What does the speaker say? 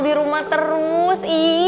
di rumah terus